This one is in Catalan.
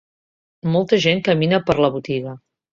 molta gent camina per la botiga.